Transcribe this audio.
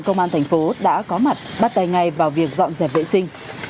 công an thành phố đã có mặt bắt tay ngay vào việc dọn dẹp vệ sinh